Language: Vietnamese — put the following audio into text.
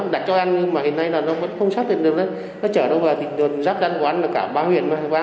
đặt cho ăn nhưng mà hiện nay là nó vẫn không xác định được nó chở đâu vào thì đồn ráp đăn của ăn là cả ba huyện